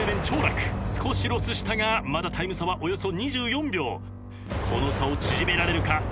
長樂少しロスしたがまだタイム差はおよそ２４秒この差を縮められるか］